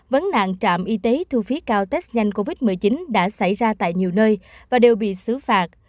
vấn nạn trạm y tế thu phí cao test nhanh covid một mươi chín đã xảy ra tại nhiều nơi và đều bị xử phạt